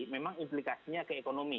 memang implikasinya ke ekonomi